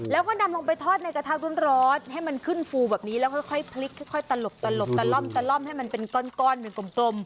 แล้วก็นำลงไปทอดในกระทะร้อนให้มันขึ้นฟูแบบนี้แล้วค่อยพลิกค่อยตลบตะล่อมตะล่อมให้มันเป็นก้อนหนึ่งกลม